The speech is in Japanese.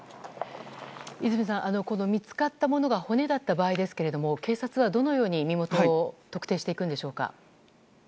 和泉さん、見つかったものが骨だった場合ですが警察はどのように、身元を特定していくんでしょうか。